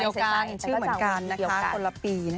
แล้วก็มีที่เดียวกันชื่อเหมือนกันนะคะคนละปีนั่นเอง